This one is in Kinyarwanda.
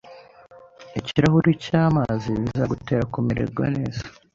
Ikirahuri cyamazi bizagutera kumererwa neza